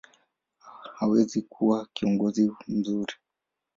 hawezi kuwa kiongozi mzuri.